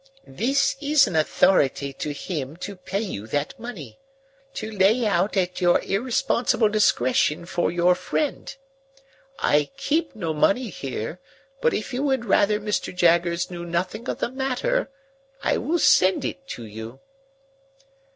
"This is an authority to him to pay you that money, to lay out at your irresponsible discretion for your friend. I keep no money here; but if you would rather Mr. Jaggers knew nothing of the matter, I will send it to you."